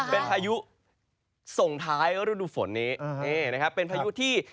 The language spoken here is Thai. เป็นพายุส่งท้ายรูดฝนนี้